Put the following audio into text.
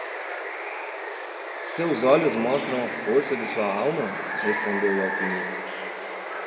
"Seus olhos mostram a força de sua alma?" respondeu o alquimista.